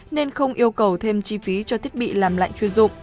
nên không yêu cầu thêm chi phí cho thiết bị làm lạnh chuyên dụng